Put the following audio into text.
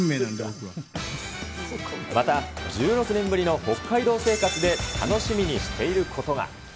また１６年ぶりの北海道生活で楽しみにしていることが。